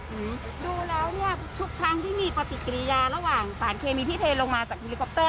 อืมดูแล้วเนี้ยทุกครั้งที่มีปฏิกิริยาระหว่างสารเคมีที่เทลงมาจากเฮลิคอปเตอร์